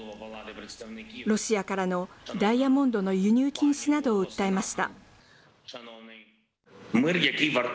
ロシアからのダイヤモンドの輸入禁止などを訴えました。